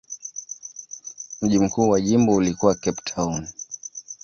Mji mkuu wa jimbo ulikuwa Cape Town.